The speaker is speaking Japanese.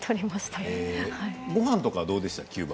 ごはんはどうでしたか？